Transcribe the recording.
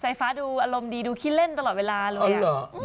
สายฟ้าดูอารมณ์ดีดูคิดเล่นตลอดเวลาเลย